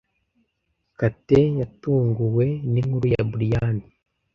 Kate yatunguwe ninkuru ya Brian.